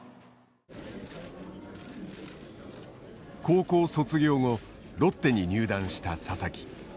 高校卒業後ロッテに入団した佐々木。